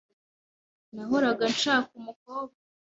Nahoraga nshaka umukobwa .